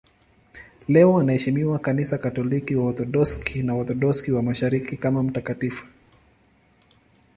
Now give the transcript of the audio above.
Leo anaheshimiwa na Kanisa Katoliki, Waorthodoksi na Waorthodoksi wa Mashariki kama mtakatifu.